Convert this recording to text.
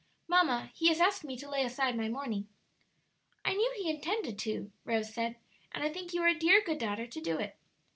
Mamma, he has asked me to lay aside my mourning." "I knew he intended to," Rose said, "and I think you are a dear good daughter to do it."